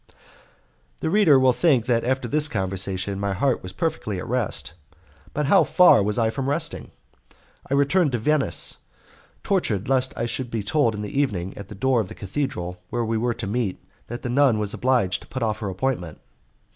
The reader will think that after this conversation my heart was perfectly at rest; but how far was I from resting! I returned to Venice, tortured lest I should be told in the evening at the door of the cathedral, where we were to meet, that the nun had been obliged to put off her appointment.